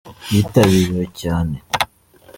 Yitabiriwe cyane, ariko no ku mudugudu ntihazagire usigara.